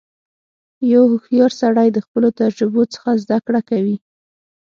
• یو هوښیار سړی د خپلو تجربو څخه زدهکړه کوي.